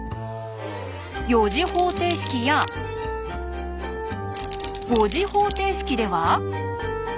４次方程式や５次方程式では？